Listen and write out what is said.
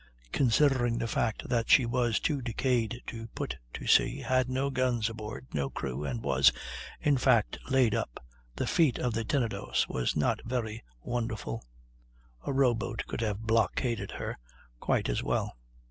Considering the fact that she was too decayed to put to sea, had no guns aboard, no crew, and was, in fact, laid up, the feat of the Tenedos was not very wonderful; a row boat could have "blockaded" her quite as well.